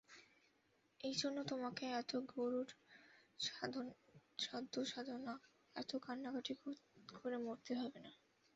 এজন্যে তোমাকে এত গুরুর সাধ্যসাধনা, এত কান্নাকাটি করে মরতে হবে না।